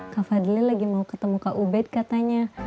kak fadli lagi mau ketemu kak ubed katanya